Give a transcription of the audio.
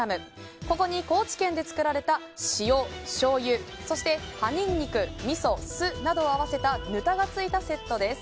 ここに、高知県で作られた塩、しょうゆそして葉ニンニクみそ、酢などを合わせたぬたがついたセットです。